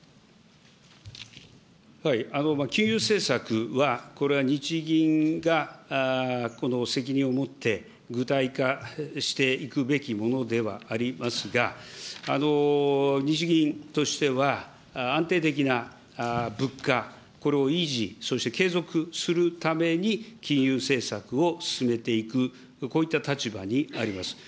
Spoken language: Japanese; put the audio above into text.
金融政策は、これは日銀が責任を持って、具体化していくべきものではありますが、日銀としては、安定的な物価、これを維持、そして継続するために、金融政策を進めていく、こういった立場にあります。